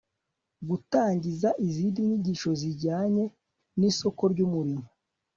gutangiza izindi nyigisho zijyanye n'isoko ry'umurimo